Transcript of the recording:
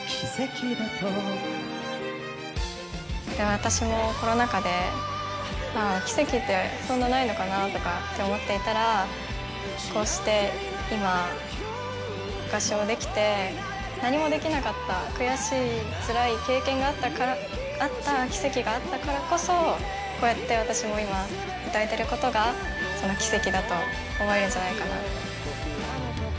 私もコロナ禍で、ああ奇跡ってそんなにないのかなって思っていたらこうして今、合唱できて何もできなかった悔しい、つらい経験があった軌跡があったからこそ、こうやって私も今、歌えていることが奇跡だと思えるんじゃないかなと。